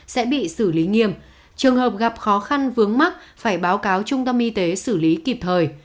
sẽ bị xử lý nghiêm trường hợp gặp khó khăn vướng mắc phải báo cáo trung tâm y tế xử lý kịp thời